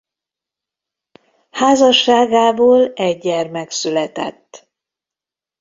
Házasságából egy gyermek született.